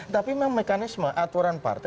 tapi memang mekanisme aturan partai